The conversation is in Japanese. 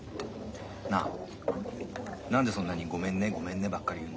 なあ何でそんなに「ごめんねごめんね」ばっかり言うんだよ。